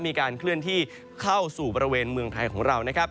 มีการเคลื่อนที่เข้าสู่บริเวณเมืองไทยของเรานะครับ